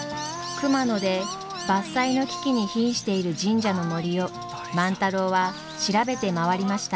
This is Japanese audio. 熊野で伐採の危機にひんしている神社の森を万太郎は調べて回りました。